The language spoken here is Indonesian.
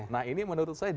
nah ini menurut saya